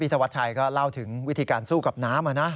ธวัชชัยก็เล่าถึงวิธีการสู้กับน้ำ